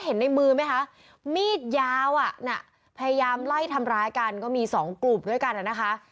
ในมือไหมคะมีดยาวอ่ะน่ะพยายามไล่ทำร้ายกันก็มีสองกลุ่มด้วยกันนะคะ